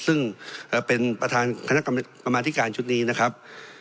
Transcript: ซึ่งเป็นประธานคณะกรรมาธิการชุดนี้นะครับ